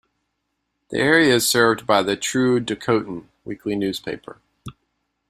The area is served by the "True Dakotan" weekly newspaper.